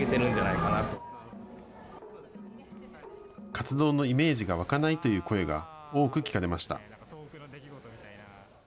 活動のイメージが湧かないという声が多く聞かれました。